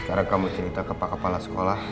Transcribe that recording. sekarang kamu cerita ke pak kepala sekolah